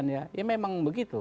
ya memang begitu